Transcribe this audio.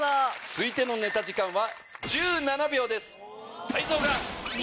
続いてのネタ時間は。